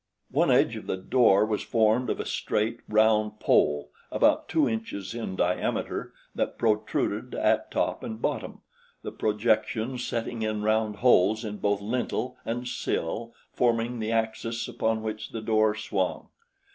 One edge of the door was formed of a straight, round pole about two inches in diameter that protruded at top and bottom, the projections setting in round holes in both lintel and sill forming the axis upon which the door swung.